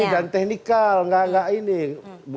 yang terlalu tinggi gitu